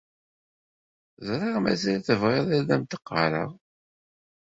Ẓriɣ mazal tebɣiḍ ad am-d-ɣɣareɣ.